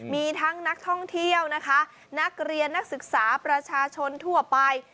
มีทั้งนักท่องเที่ยวนะคะนักเรียนนักศึกษาประชาชนทั่วไป